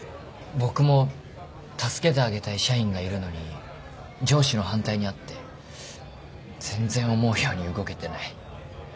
僕も助けてあげたい社員がいるのに上司の反対に遭って全然思うように動けてない。